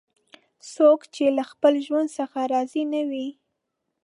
څوک چې له خپل ژوند څخه راضي نه وي